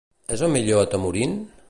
És el millor atemorint?